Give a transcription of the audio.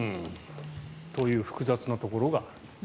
という複雑なところがある。